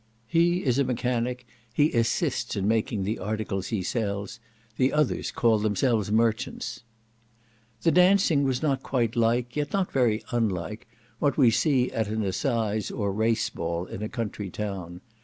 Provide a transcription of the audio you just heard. "He is a mechanic; he assists in making the articles he sells; the others call themselves merchants." The dancing was not quite like, yet not very unlike, what we see at an assize or race ball in a country town.